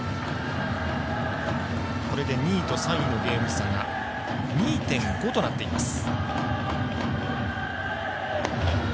これで２位と３位のゲーム差が２．５となっています。